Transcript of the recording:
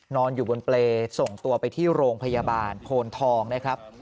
นอนอยู่บนเปรย์ส่งตัวไปที่โรงพยาบาลโพนทองนะครับ